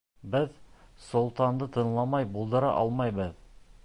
Беҙ солтанды тыңламай булдыра алмайбыҙ.